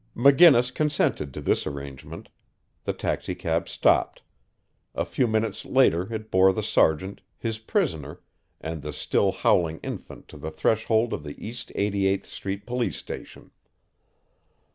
McGinnis consented to this arrangement. The taxicab stopped. A few minutes later it bore the sergeant, his prisoner and the still howling infant to the threshold of the East Eighty eighth street police station.